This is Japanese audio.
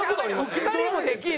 ２人もできるの？